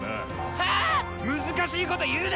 はぁ⁉難しいこと言うな！